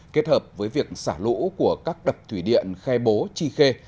kết hợp với việc xả lũ của các đập thủy điện khe bố chi khe